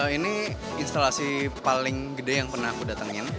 ini instalasi paling gede yang pernah aku datangin